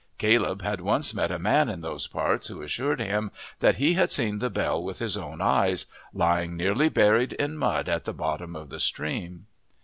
Caleb had once met a man in those parts who assured him that he had seen the bell with his own eyes, lying nearly buried in mud at the bottom of the stream.